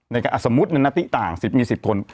ในการสมมุติในหน้าติต่าง๑๐มี๑๐คน